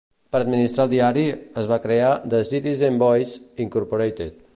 Per administrar el diari, es va crear The Citizens' Voice, Incorporated.